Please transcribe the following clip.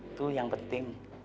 itu yang penting